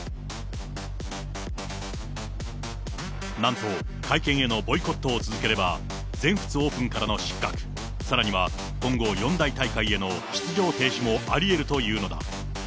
なんと、会見へのボイコットを続ければ、全仏オープンからの失格、さらには今後四大大会への出場停止もありえるというのだ。